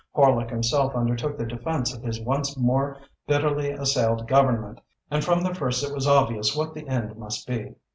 Horlock himself undertook the defence of his once more bitterly assailed Government and from the first it was obvious what the end must be.